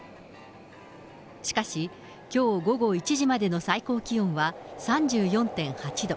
しかし、きょう午後１時までの最高気温は３４．８度。